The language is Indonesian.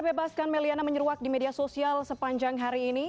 tagar bebaskan may liana menyeruak di media sosial sepanjang hari ini